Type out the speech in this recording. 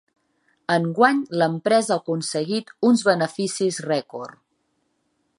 Enguany l'empresa ha aconseguit uns beneficis rècord.